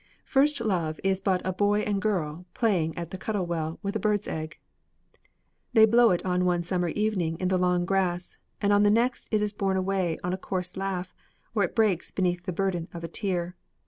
First love is but a boy and girl playing at the Cuttle Well with a bird's egg. They blow it on one summer evening in the long grass, and on the next it is borne away on a coarse laugh, or it breaks beneath the burden of a tear.